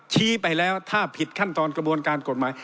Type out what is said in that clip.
ชี้ไปแล้วถ้าผิดขั้นตอนกระบวนการกฎหมาย